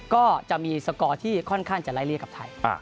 ก็จะมีสกอร์ที่ค่อนข้างจะไล่เรียกกับไทย